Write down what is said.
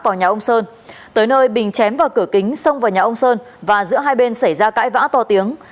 vào nhà ông sơn tới nơi bình chém vào cửa kính xông vào nhà ông sơn và giữa hai bên xảy ra cãi vã to tiếng